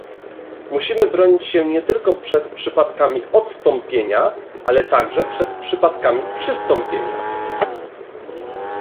Musimy bronić się nie tylko przed przypadkami odstąpienia, ale także przed przypadkami "przystąpienia"